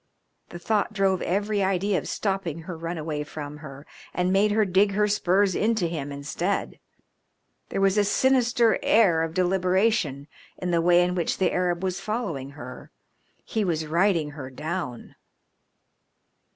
The thought drove every idea of stopping her runaway from her and made her dig her spurs into him instead. There was a sinister air of deliberation in the way in which the Arab was following her; he was riding her down.